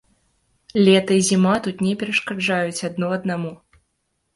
Лета і зіма тут не перашкаджаюць адно аднаму.